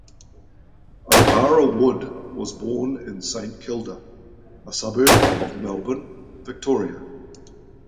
O'Hara Wood was born in Saint Kilda, a suburb of Melbourne, Victoria.